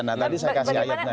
nah tadi saya kasih ayatnya